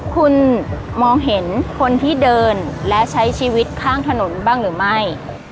คุณมองเห็นคนที่เดินและใช้ชีวิตข้างถนนบ้างหรือไม่